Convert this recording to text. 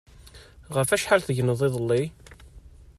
Ɣef acḥal tegneḍ iḍelli?